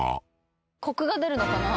コクが出るのかな？